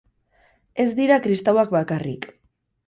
Ez dira kristauak bakarrik.